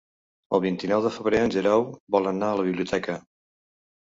El vint-i-nou de febrer en Guerau vol anar a la biblioteca.